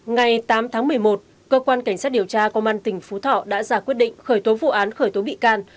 ngày tám tháng một mươi một cơ quan cảnh sát điều tra công an tỉnh phú thọ đã ra quyết định khởi tố vụ án khởi tố bị can